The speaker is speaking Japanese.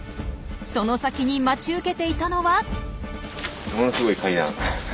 その先に待ち受けていたのは。